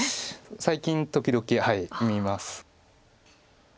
最近時々見ます。